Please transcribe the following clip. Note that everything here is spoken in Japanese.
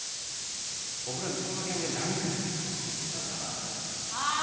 僕らにそんな権限ないんですよ。はあ？